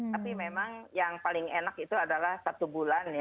tapi memang yang paling enak itu adalah satu bulan